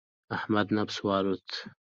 د احمد نفس والوت.